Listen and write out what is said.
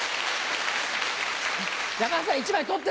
山田さん１枚取って！